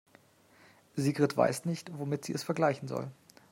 Sigrid weiß nicht, womit sie es vergleichen soll.